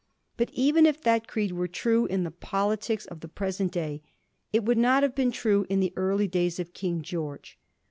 But even if that creed were true in the politics of the present day, it would not have been true in the early days of King George.